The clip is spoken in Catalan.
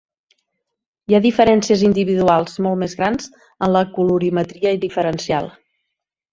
Hi ha diferències individuals molt més grans en la colorimetria diferencial.